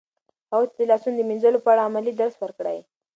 هغوی ته د لاسونو د مینځلو په اړه عملي درس ورکړئ.